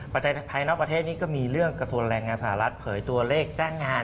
ภายนอกประเทศนี้ก็มีเรื่องกระทรวงแรงงานสหรัฐเผยตัวเลขแจ้งงาน